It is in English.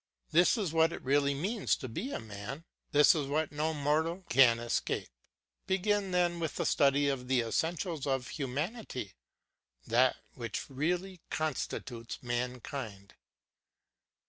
This is what it really means to be a man, this is what no mortal can escape. Begin then with the study of the essentials of humanity, that which really constitutes mankind.